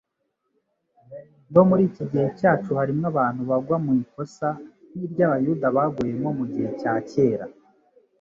No muri iki gihe cyacu harimo abantu bagwa mu ikosa nk'iryo abayuda baguyemo mu gihe cya kera.